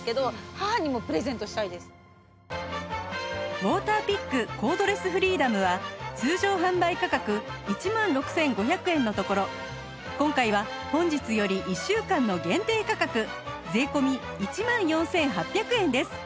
ウォーターピックコードレスフリーダムは通常販売価格１万６５００円のところ今回は本日より１週間の限定価格税込１万４８００円です